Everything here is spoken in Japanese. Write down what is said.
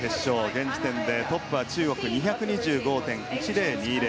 現時点でトップは中国２２５．１０２０。